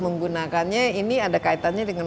menggunakannya ini ada kaitannya dengan